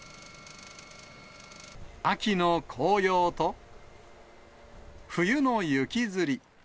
秋の紅葉と、冬の雪づり。